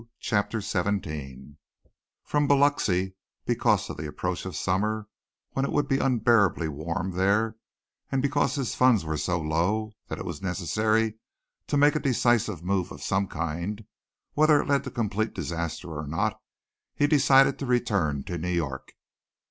CHAPTER XVII From Biloxi, because of the approach of summer when it would be unbearably warm there, and because his funds were so low that it was necessary to make a decisive move of some kind whether it led to complete disaster or not, he decided to return to New York.